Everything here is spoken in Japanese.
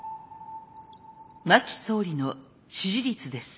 真木総理の支持率です。